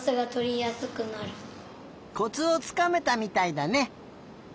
コツをつかめたみたいだね。